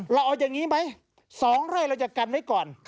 เราเอาอย่างนี้ไหม๒ไร่เราจะกันไว้ก่อน